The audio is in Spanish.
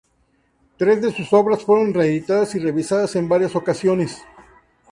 Tres de sus obras fueron reeditadas y revisadas en varias ocasiones.